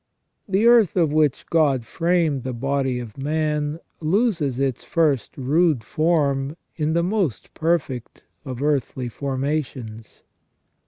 The earth of which God framed the body of man loses its first rude form in the most perfect of earthly formations.